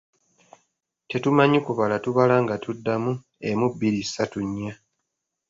Tetumanyi kubala, tubala nga tuddamu emu, bbiri, ssatu, nnya.